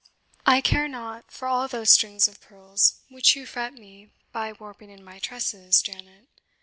I care not for all those strings of pearl, which you fret me by warping into my tresses, Janet.